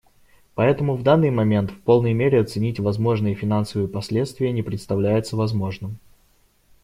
Поэтому в данный момент в полной мере оценить возможные финансовые последствия не представляется возможным.